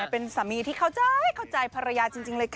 เป็นสามีที่เข้าใจเข้าใจภรรยาจริงเลยค่ะ